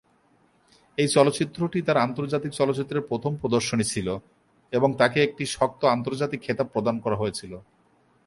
এই চলচ্চিত্রটি তার আন্তর্জাতিক চলচ্চিত্রের প্রথম প্রদর্শনী ছিল, এবং তাকে একটি শক্ত আন্তর্জাতিক খেতাব প্রদান করা হয়েছিল।